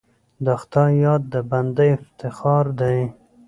د خدای یاد د بنده افتخار دی.